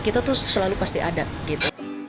kita tuh selalu pasti ada gitu